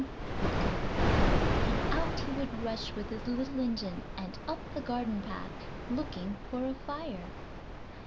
_ would go the bell, and out he would rush with his little engine and up the garden path, looking for a fire.